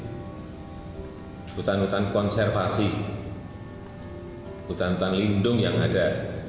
untuk hutan hutan konservasi hutan hutan lindung yang ada